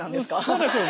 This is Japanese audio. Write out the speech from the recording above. そうです。